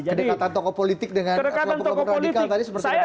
kedekatan tokoh politik dengan kelompok kelompok radikal tadi seperti yang mas ami